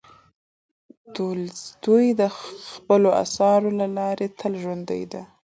تولستوی د خپلو اثارو له لارې تل ژوندی دی.